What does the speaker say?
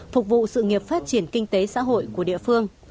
phục vụ sự nghiệp phát triển kinh tế xã hội của địa phương